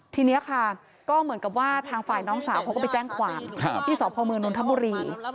ทีนี้ค่ะก็เหมือนกับว่าทางฝ่ายน้องสาวเขาก็ไปแจ้งความที่สพมนนทบุรี